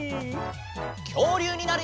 きょうりゅうになるよ！